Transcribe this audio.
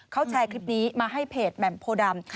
เขาแชร์คลิปนี้มาให้เพจแหม่มโพดำ